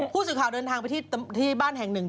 ผู้สื่อข่าวเดินทางไปที่บ้านแห่งหนึ่ง